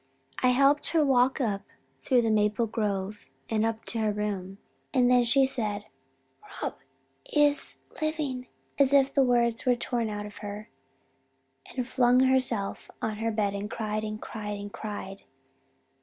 I helped her walk up through the maple grove and up to her room, and then she said, 'Rob is living,' as if the words were torn out of her, and flung herself on her bed and cried and cried and cried.